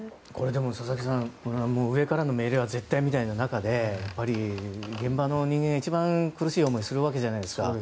佐々木さん上からの命令は絶対みたいな中で現場の人間は一番苦しい思いをするわけじゃないですか。